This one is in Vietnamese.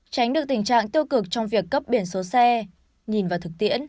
tránh được tình trạng tiêu cực trong việc cấp biển số xe nhìn vào thực tiễn